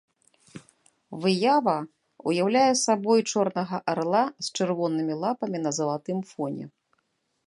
Выява ўяўляе сабой чорнага арла з чырвонымі лапамі на залатым фоне.